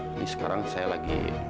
ini sekarang saya lagi